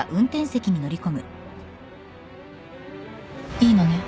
いいのね？